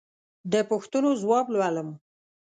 د پوښتنو ځواب لولم.